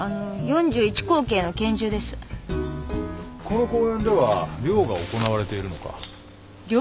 この公園では猟が行われているのか？